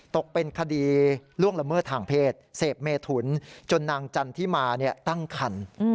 ตกเป็นคดีล่วงละเมิดทางเพศเสพเมถุนจนนางจันทิมาตั้งคัน